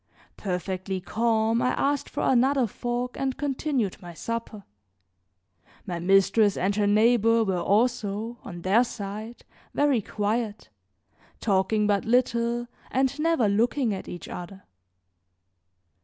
Perfectly calm, I asked for another fork and continued my supper. My mistress and her neighbor were also, on their side, very quiet, talking but little and never looking at each other.